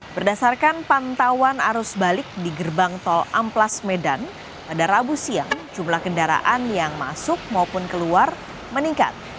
berdasarkan pantauan arus balik di gerbang tol amplas medan pada rabu siang jumlah kendaraan yang masuk maupun keluar meningkat